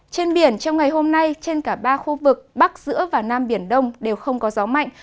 trên biển trong ngày hôm nay trên cả ba khu vực bắc giữa và nam biển đông đều không có gió mạnh